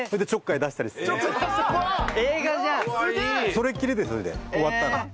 それっきりでそれで終わった。